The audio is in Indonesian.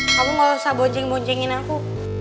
kamu gak usah bojeng bonjengin aku